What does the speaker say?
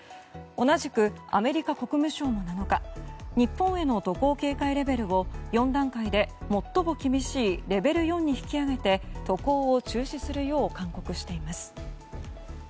同じくアメリカ国務省も７日日本への渡航警戒レベルを４段階で最も厳しいレベル４に引き上げて渡航を中止するよう勧告しています。